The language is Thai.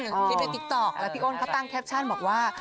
คลิปในติ๊กต๊อกแล้วพี่อ้นเขาตั้งแคปชั่นบอกว่า